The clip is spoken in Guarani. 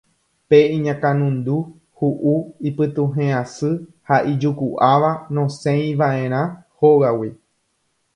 Pe iñakãnundu, hu'u, ipytuhẽ asy ha ijuku'áva nosẽiva'erã hógagui